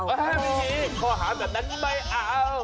ไม่มีข้อหาแบบนั้นไม่เอา